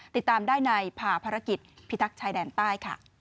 ติดตามได้ในผ่าภารกิจพิทักษ์ชายแดนใต้ค่ะ